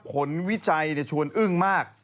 ผลวิจัยชวนอื้อมมาก